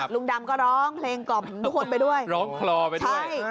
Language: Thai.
ลุงดำก็ร้องเพลงกล่อมทุกคนไปด้วยร้องคลอไปเลยใช่